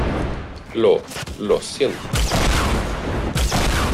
Lo... Lo siento .